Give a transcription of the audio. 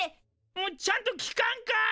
もうちゃんと聞かんかい！